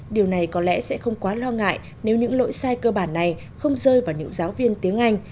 điều này có lẽ sẽ không quá lo ngại nếu những lỗi sai cơ bản này không rơi vào những giáo viên tiếng anh